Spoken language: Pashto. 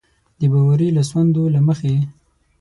د باوري لاسوندو له مخې.